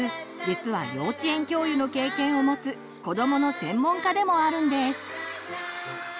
実は幼稚園教諭の経験をもつ子どもの専門家でもあるんです。